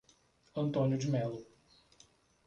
Antônio de Melo